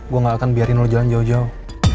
gue gak akan biarin lo jalan jauh jauh